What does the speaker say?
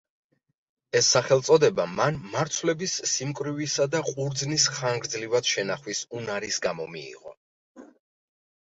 ეს სახელწოდება მან მარცვლების სიმკვრივისა და ყურძნის ხანგრძლივად შენახვის უნარის გამო მიიღო.